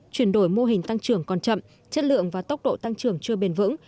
chuyển đổi mô hình tăng trưởng còn chậm chất lượng và tốc độ tăng trưởng chưa bền vững